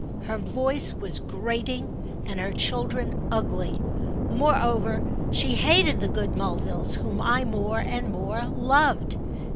Her voice was grating and her children ugly; moreover she hated the good Mulvilles, whom I more and more loved.